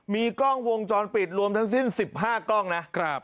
มีกล้องวงจรปิดรวมทั้งสิ้น๑๕กล้องนะ